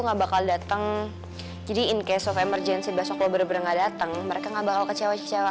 nggak bakal dateng jadi in case of emergency besok lo bener bener dateng mereka nggak bakal kecewa